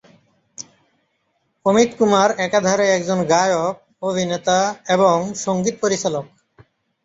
অমিত কুমার একাধারে একজন গায়ক, অভিনেতা এবং সংগীত পরিচালক।